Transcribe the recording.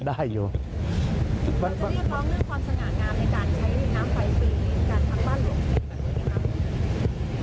ได้อยู่เขาจะเรียกร้องเรื่องความสน่างามในการใช้น้ำไฟฟรีกันทั้งบ้านหลวงเฉพาะอย่างงี้ครับ